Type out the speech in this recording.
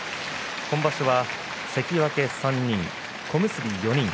今場所は関脇３人、小結４人。